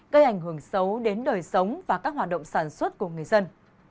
gây ảnh hưởng xấu đến đời sống và các hoạt động sản xuất của người dân